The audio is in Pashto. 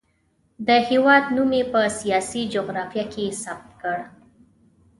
د هېواد نوم یې په سیاسي جغرافیه کې ثبت کړ.